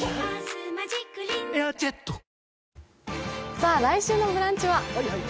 さあ、来週の「ブランチ」は？